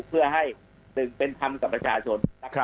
เพื่อให้เป็นธรรมกับประชาชน